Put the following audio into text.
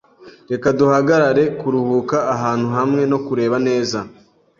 Reka duhagarare kuruhuka ahantu hamwe no kureba neza.